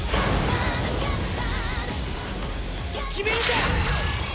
決めるぜ！